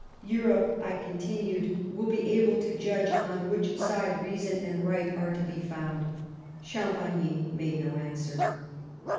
" Europe," I continued, " will be able to judge on which side reason and right are to be found." Champagny made no answer.